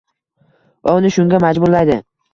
va uni shunga “majburlaydi”